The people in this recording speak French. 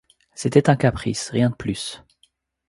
C'était un caprice, rien de plus.